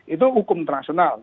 itu hukum internasional